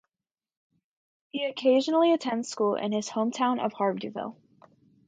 He occasionally attends school in his hometown of Harveyville.